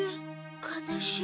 悲しい。